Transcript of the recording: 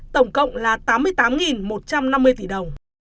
tổng cộng là tám mươi tám một trăm năm mươi tỷ đồng